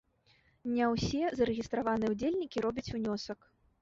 Не ўсе зарэгістраваныя ўдзельнікі робяць унёсак.